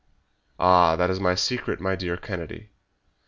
"Ah, that is my secret, my dear Kennedy.